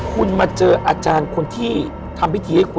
คุณมาเจออาจารย์คนที่ทำพิธีให้คุณ